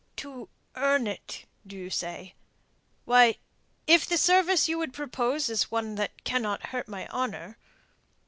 "To earn it, do you say? Why, if the service you would propose is one that cannot hurt my honour...."